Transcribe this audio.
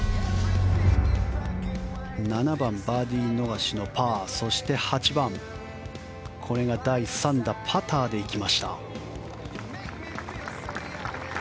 ７番、バーディー逃しのパーそして、８番これが第３打パターで行きました。